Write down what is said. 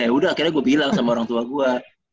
ya udah akhirnya gue bilang sama orang tua gue